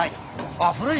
あっ古い！